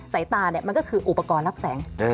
สายตามันก็คืออุปกรณ์รับแสง